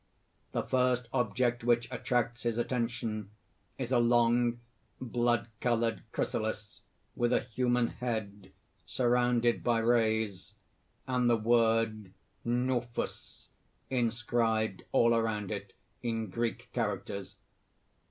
_ _The first object which attracts his attention is a long blood colored chrysalis, with a human head surrounded by rays, and the word_ Knouphus _inscribed all around it in Greek characters.